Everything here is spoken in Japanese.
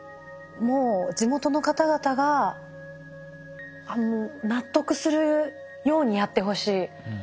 もう地元の方々が納得するようにやってほしい。